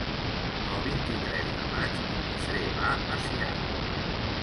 El vint-i-tres de maig en Guifré va a Cirat.